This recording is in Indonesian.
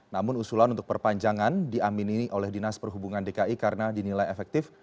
namun usulan untuk perpanjangan diamini oleh dinas perhubungan dki karena dinilai efektif